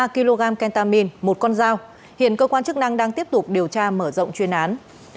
ba kg kentamin một con dao hiện cơ quan chức năng đang tiếp tục điều tra mở rộng chuyên án